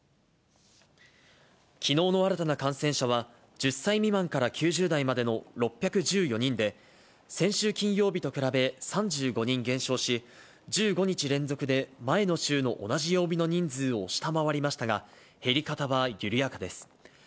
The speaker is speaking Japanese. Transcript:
きのうの新たな感染者は、１０歳未満から９０代までの６１４人で、先週金曜日と比べ、３５人減少し、１５日連続で前の週の同じ曜日の人数を下回りましたが、減り方は緩やかです。